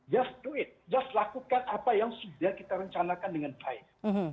just tweet just lakukan apa yang sudah kita rencanakan dengan baik